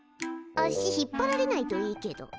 足引っ張られないといいけど。